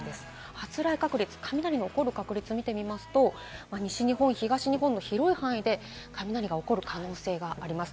発雷確率、雷の起こる確率を見てみますと西日本、東日本の広い範囲で雷が起こる可能性があります。